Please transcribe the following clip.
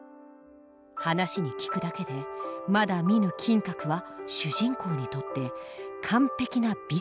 話に聞くだけでまだ見ぬ金閣は主人公にとって完璧な美だったのである。